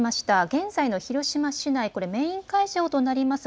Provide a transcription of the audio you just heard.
現在の広島市内、これ、メイン会場となります